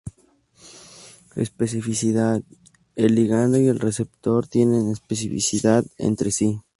Especificidad: el ligando y el receptor tienen especificidad entre sí.